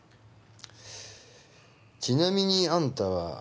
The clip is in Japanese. ちなみにあんたは。